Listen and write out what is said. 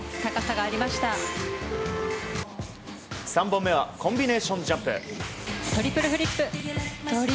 ３本目はコンビネーションジャンプ。